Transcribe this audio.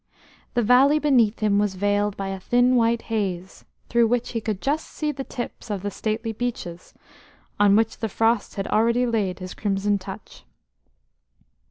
The valley beneath him was veiled by a thin white haze, through which he could just see the tips of the stately beeches, on which the frost had already laid his crimson touch.